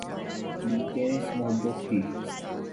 بلکہ محبت تھی